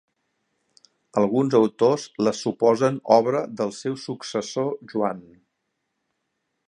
Alguns autors les suposen obra del seu successor Joan.